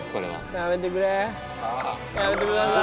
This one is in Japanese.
やめてください。